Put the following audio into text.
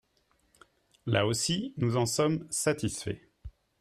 Là aussi, nous en sommes satisfaits.